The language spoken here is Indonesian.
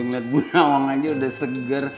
ngeliat bu nawang aja udah segar